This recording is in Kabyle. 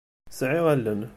Sɛiɣ allen.